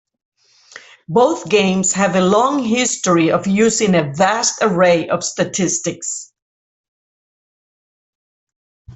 Both games have a long history of using a vast array of statistics.